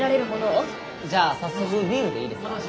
じゃあ早速ビールでいいですか？